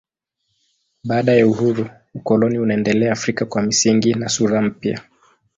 Baada ya uhuru ukoloni unaendelea Afrika kwa misingi na sura mpya.